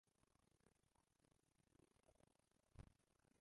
hagati y'ihohoterwa rishingiye ku ihame ry'urukundo